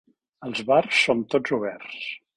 Els bars són tots oberts.